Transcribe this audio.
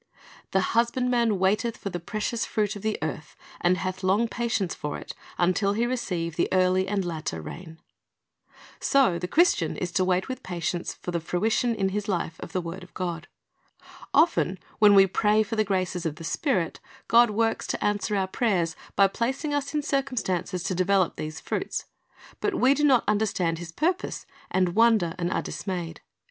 "The husbandman waiteth for the precious fruit of the earth, and hath long patience for it, until he receive the early and latter rain."' So the Christian is to wait with patience for the fruition, in his life, of the word of God. Often when we pray for the graces of the Spirit, God works to answer our prayers by placing us in circumstances to develop these fruits; but we do not understand His purpose, and wonder, and are dismayed.